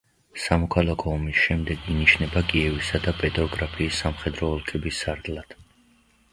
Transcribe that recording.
სამოქალაქო ომის შემდეგ ინიშნება კიევისა და პეტროგრაფიის სამხედრო ოლქების სარდლად.